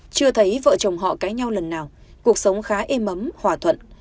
chưa thấy vợ chồng họ cãi nhau lần nào cuộc sống khá êm ấm hòa thuận